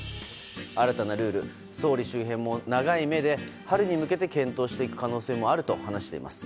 新たなルール、総理周辺も長い目で春に向けて検討していく可能性もあると話しています。